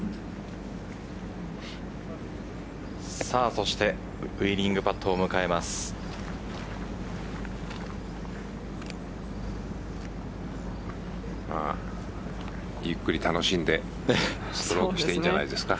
そしてウイニングパットをゆっくり楽しんでストロークしていいんじゃないですか。